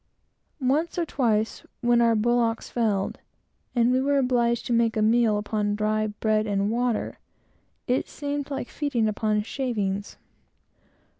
Once or twice, when our bullocks failed and we were obliged to make a meal upon dry bread and water, it seemed like feeding upon shavings.